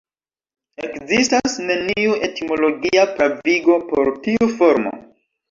Ekzistas neniu etimologia pravigo por tiu formo.